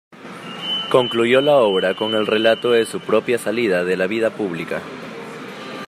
Concluyó la obra con el relato de su propia salida de la vida pública.